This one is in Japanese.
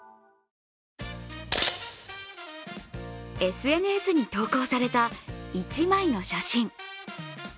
ＳＮＳに投稿された一枚の写真。